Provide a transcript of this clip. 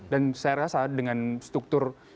dan saya rasa dengan struktur